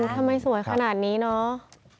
ทำไมสวยขนาดนี้เนาะ